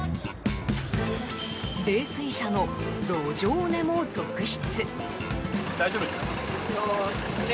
泥酔者の路上寝も続出。